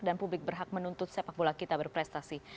dan publik berhak menuntut sepak bola kita berprestasi